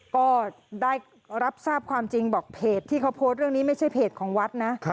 ก็ได้รับทราบความจริงบอกเพจที่เขาโพสต์เรื่องนี้ไม่ใช่เพจของวัดนะ